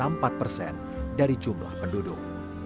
atau sekitar sepuluh enam puluh empat persen dari jumlah penduduk